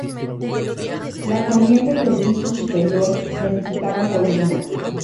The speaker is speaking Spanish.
Las salientes del piso superior necesitaban columnas.